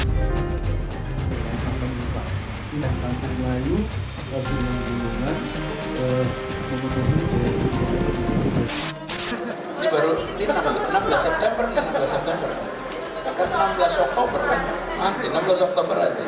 gak bisa nyeletuk pula kita